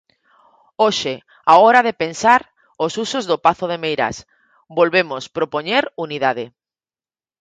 Hoxe, á hora de pensar os usos do pazo de Meirás, volvemos propoñer unidade.